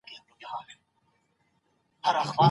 که زه کابل ته لاړ شم، نو د دارالامان ماڼۍ به وګورم.